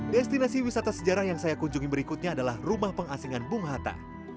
destinasi wisata sejarah yang saya kunjungi berikutnya adalah rumah pengasingan bung hatta